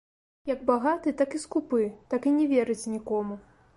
Як багаты, так і скупы, так і не верыць нікому.